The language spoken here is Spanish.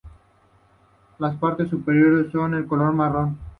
Las partes superiores son de color marrón.